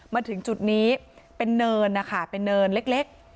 มาถึงจุดนี้เป็นเนินนะคะเป็นเนินเล็ก